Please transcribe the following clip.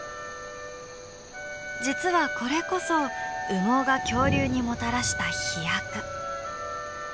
実はこれこそ羽毛が恐竜にもたらした飛躍。